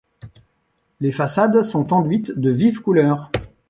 Les façades sont enduites de vives couleurs.